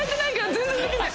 全然できない。